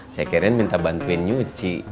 saya kira minta bantuin nyuci